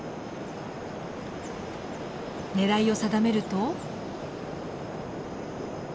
狙いを定めると。